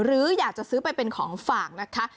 หรืออยากจะซื้อไปเป็นของฝากนะคะ